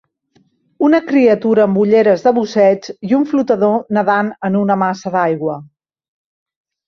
Una criatura amb ulleres de busseig i un flotador nedant en una massa d'aigua.